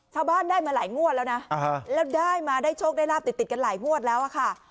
ชาวบ้านได้มาหลายงวดแล้วนะแล้วได้มาได้โชคได้ลาบติดกันหลายงวดแล้วอะค่ะ